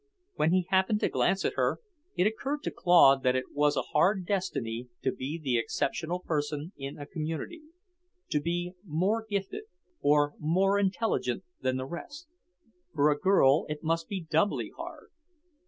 When he happened to glance at her, it occurred to Claude that it was a hard destiny to be the exceptional person in a community, to be more gifted or more intelligent than the rest. For a girl it must be doubly hard.